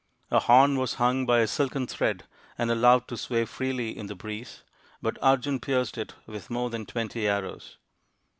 A horn was hung by a silken thread and allowed to sway freely in the breeze, but Arjun pierced it with more than twenty arrows.